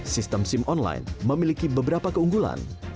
sistem sim online memiliki beberapa keunggulan